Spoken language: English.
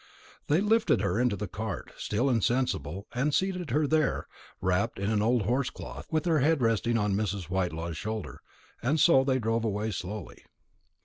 They lifted her into the cart, still insensible, and seated her there, wrapped in an old horse cloth, with her head resting on Mrs. Whitelaw's shoulder; and so they drove slowly away.